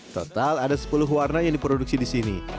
total ada sepuluh warna yang diproduksi di sini